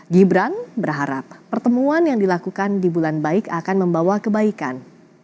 gibran berharap pertemuan yang dilakukan di bulan baik akan membawa kebaikan